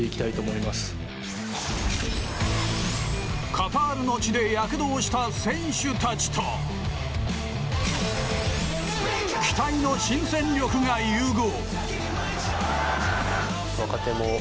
カタールの地で躍動した選手たちと期待の新戦力が融合。